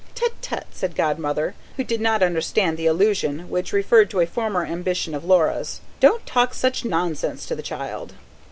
"Tut, tut!" said Godmother: she did not understand the allusion, which referred to a former ambition of Laura's. "Don't talk such nonsense to the child."